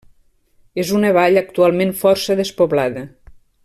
És una vall actualment força despoblada.